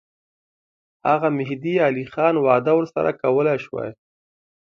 هغه مهدي علي خان وعده ورسره کولای سوای.